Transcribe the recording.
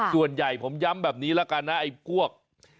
ส่วนใหญ่ผมย้ำแบบนี้แล้วกันนะไอ้พวก